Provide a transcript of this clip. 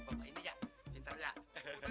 gimana sih itu anak ya be